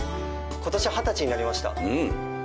今年二十歳になりました。